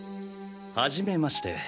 はじめまして。